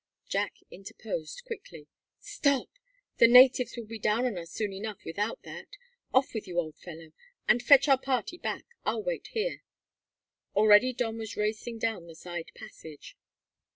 Jack interposed quickly. "Stop! The natives will be down on us soon enough without, that. Off with you, old fellow, and fetch' pur party back. I'll wait here." Already Don was racing down the side passage.